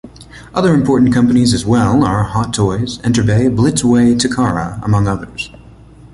Other important companies as well are Hot Toys, Enterbay, Blitzway, Takara among others.